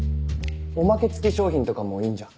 おまけ付き商品とかもいいんじゃ？